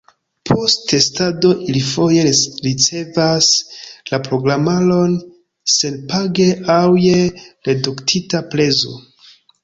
Post testado ili foje ricevas la programaron senpage aŭ je reduktita prezo.